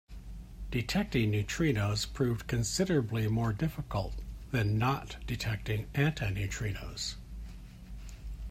Detecting neutrinos proved considerably more difficult than not detecting antineutrinos.